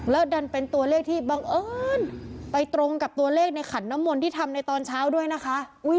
แล้วดันเป็นตัวเลขที่บังเอิญไปตรงกับตัวเลขในขันน้ำมนต์ที่ทำในตอนเช้าด้วยนะคะ